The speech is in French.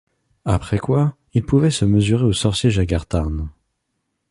Après quoi, il pouvait se mesurer au sorcier Jagar Tharn.